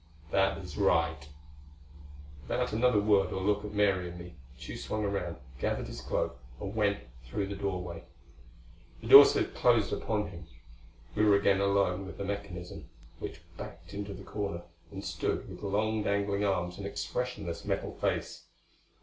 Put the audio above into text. "That is right." Without another word or look at Mary and me, Tugh swung around, gathered his cloak and went through the doorway. The door slid closed upon him. We were again alone with the mechanism, which backed into the corner and stood with long dangling arms and expressionless metal face.